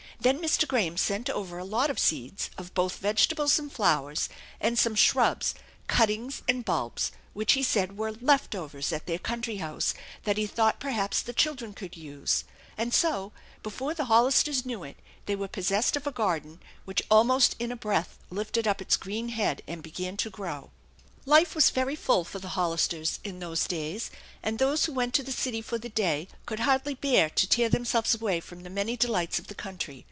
Then Mr. Graham sent over a lot of seeds, of both vegetables and flowers, and some shrubs, puttings and bulbs which he said were " left overs " at their country house that he thought perhaps the children could use ; and so before the Hollisters knew it they were possessed of a garden, which almost in a breath lifted up its green head and began to grow, Life was very full for the Hollisters in those days, and 170 THE ENCHANTED BARN those who went to the city for the day could hardly bear to tear themselves away from the many delights of the country.